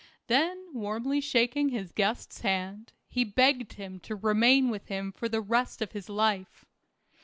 Then warmly shaking his guest's hand, he begged him to remain with him for the rest of his life.